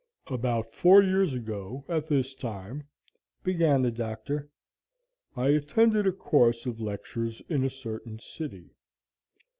"About four years ago at this time," began the Doctor, "I attended a course of lectures in a certain city.